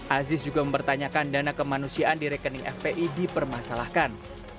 aziz juga mempertanyakan dana kemanusiaan di rekening fpi dipermasalahkan